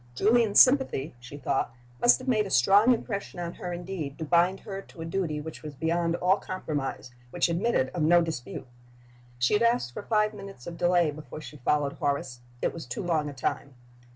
Julian's sympathy (she thought) must have made a strong impression on her indeed to blind her to a duty which was beyond all compromise, which admitted of no dispute! She had asked for five minutes of delay before she followed Horace. It was too long a time.